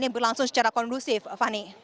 terus secara kondusif fani